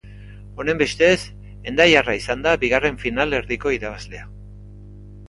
Honenbestez, hendaiarra izan da bigarren finalerdiko irabazlea.